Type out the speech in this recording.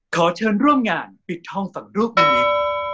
ขอเชิญร่วมงานปิดทองฝังรูปนิมิตร